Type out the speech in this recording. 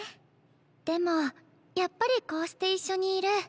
でもやっぱりこうして一緒にいる。